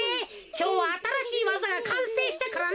きょうはあたらしいわざがかんせいしたからな。